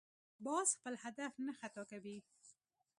باز خپل هدف نه خطا کوي